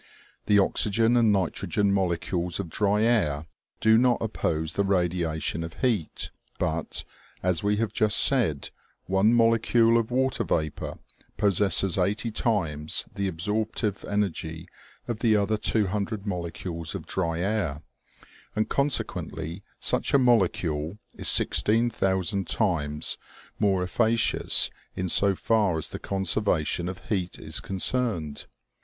The oxygen and nitrogen molecules of dry air do not oppose the radiation of heat ; but, as we have just said, one molecule of water vapor possesses eighty times the absorptive energy of the other two hundred molecules of dry air, and consequently such a molecule is sixteen thousand times more efficacious in so far as the conservation of heat is concerned.